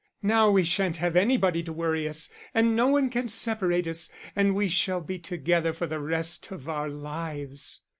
Now we shan't have anybody to worry us, and no one can separate us, and we shall be together for the rest of our lives."